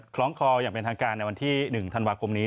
คล้องคออย่างเป็นทางการในวันที่๑ธันวาคมนี้